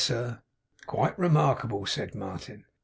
'Quite remarkable,' said Martin.